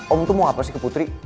om itu mau apa sih ke putri